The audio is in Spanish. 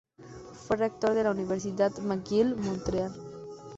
Fue rector de la Universidad McGill, Montreal.